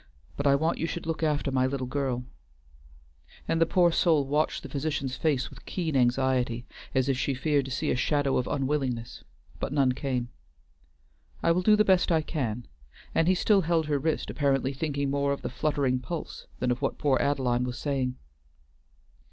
But I want you should look after my little girl," and the poor soul watched the physician's face with keen anxiety as if she feared to see a shadow of unwillingness, but none came. "I will do the best I can," and he still held her wrist, apparently thinking more of the fluttering pulse than of what poor Adeline was saying.